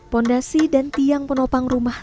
fondasi dan tiang penopang rumah